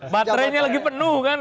baterainya lagi penuh kan